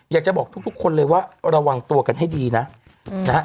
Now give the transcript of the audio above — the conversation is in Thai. อยากจะบอกทุกคนเลยว่าระวังตัวกันให้ดีนะนะฮะ